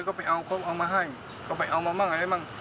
เขาไปเอาเอามาให้เขาไปเอามาบ้างอะไรบ้าง